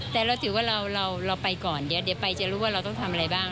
แต่เราถือว่าเราไปก่อนเดี๋ยวไปจะรู้ว่าเราต้องทำอะไรบ้าง